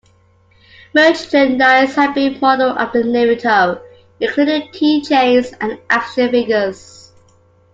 Merchandise has been modeled after Naruto, including keychains, and action figures.